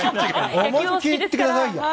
思いっきりいってくださいよ！